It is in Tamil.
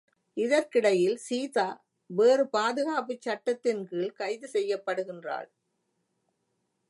இதற்கிடையில் சீதா வேறு பாதுகாப்புச் சட்டத்தின்கீழ்க் கைது செய்யப்படுகின்றாள்.